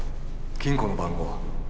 金庫の番号は？